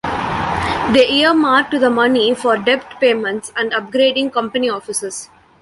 They earmarked the money for debt payments and upgrading company offices.